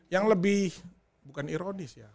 yang lebih bukan ironis ya